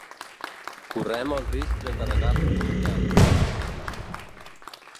“Correm el risc de carregar-nos el model”, ha dit.